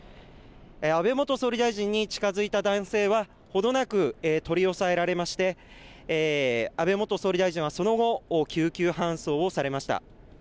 安倍元総理大臣に近づいた男性はほどなく、取り押さえられまして安倍元総理大臣はその後、救急搬送をされました。